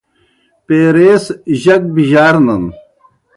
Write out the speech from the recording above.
پیرَے سی جک بِجارنَن۔